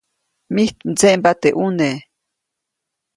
Mijt mdseʼmba teʼ ʼuneʼ.